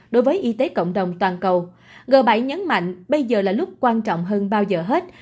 đối với y tế cộng đồng toàn cầu g bảy nhấn mạnh bây giờ là lúc quan trọng hơn bao giờ hết